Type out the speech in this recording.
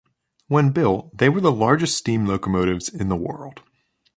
When built, they were the largest steam locomotives in the World.